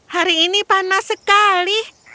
hari ini panas sekali